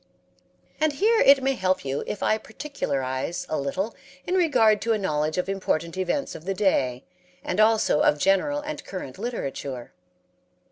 And here it may help you if I particularize a little in regard to a knowledge of important events of the day and also of general and current literature.